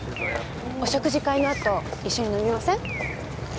お食事会のあと一緒に飲みません？